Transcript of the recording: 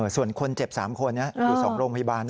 ส่วนคนเจ็บ๓คนอยู่๒โรงพยาบาล